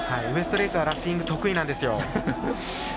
ウエストレイクはラッフィング得意なんですよ。